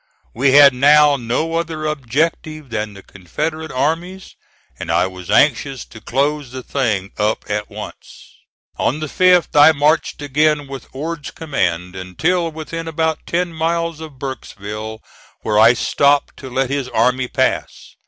We had now no other objective than the Confederate armies, and I was anxious to close the thing up at once. On the 5th I marched again with Ord's command until within about ten miles of Burkesville, where I stopped to let his army pass.